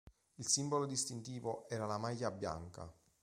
Il simbolo distintivo era la "maglia bianca".